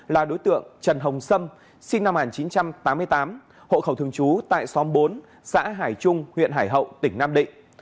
là đối tượng trần hồng sâm sinh năm một nghìn chín trăm tám mươi tám hộ khẩu thường trú tại xóm bốn xã hải trung huyện hải hậu tỉnh nam định